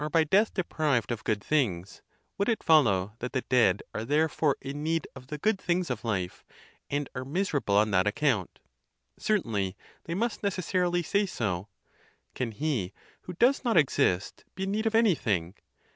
But should we grant them even this, that men are by death deprived of good things; would it follow that the dead are there fore in need of the good things of life, and are miserable on that account? Certainly they must necessarily say so. Can he who does not exist be in need of anything?